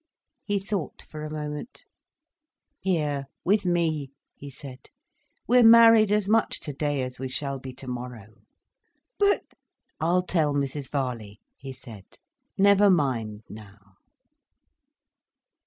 He thought for a moment. "Here, with me," he said. "We're married as much today as we shall be tomorrow." "But—" "I'll tell Mrs Varley," he said. "Never mind now."